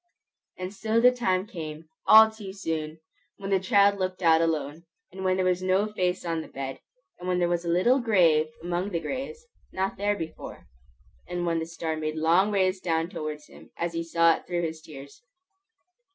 And so the time came, all too soon! when the child looked out alone, and when there was no face on the bed; and when there was a little grave among the graves, not there before; and when the star made long rays down towards him, as he saw it through his tears.